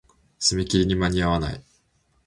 締め切りに間に合わない。